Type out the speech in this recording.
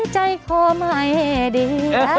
ใจเขาไม่ให้ดี